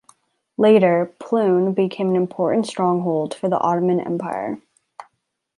Later, Plewen became an important stronghold for the Ottoman Empire.